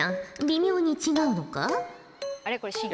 微妙に違うのか？